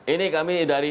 ini kami dari